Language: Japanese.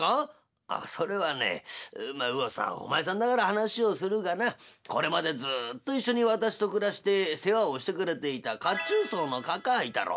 「ああそれはねうおさんお前さんだから話をするがなこれまでずっと一緒に私と暮らして世話をしてくれていた褐虫藻のカカァいたろ？